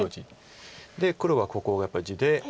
で黒はここがやっぱり地で。